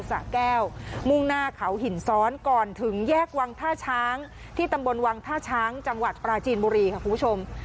สะแก้วมุ่งหน้าเขาหินซ้อนก่อนถึงแยกวังท่าช้างที่ตำบลวังท่าช้างจังหวัดปราจีนบุรีค่ะคุณผู้ชม